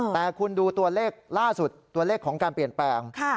แต่คุณดูตัวเลขล่าสุดตัวเลขของการเปลี่ยนแปลง